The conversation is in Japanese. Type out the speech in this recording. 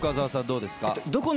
どうですか？